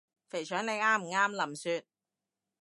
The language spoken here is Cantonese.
肥腸你啱唔啱？林雪？